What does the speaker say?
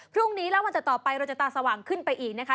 พรุ่งนี้แล้ววันต่อไปเราจะตาสว่างขึ้นไปอีกนะคะ